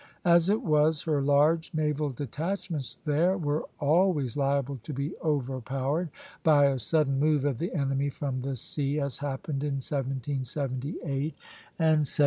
As it was, her large naval detachments there were always liable to be overpowered by a sudden move of the enemy from the sea, as happened in 1778 and 1781.